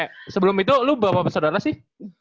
eh sebelum itu lu berapa pesudara sih